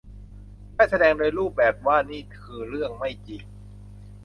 ได้แสดงโดยรูปแบบว่านี่คือเรื่องไม่จริง